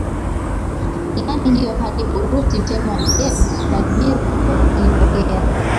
imani hiyo hadi Urusi mtemi wa Kiev Vladimir Mkuu alipokea